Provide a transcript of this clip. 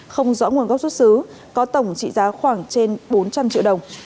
không rõ nguồn gốc xuất xứ có tổng trị giá khoảng trên bốn trăm linh triệu đồng